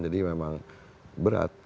jadi memang berat